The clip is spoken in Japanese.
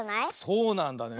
そうなんだね。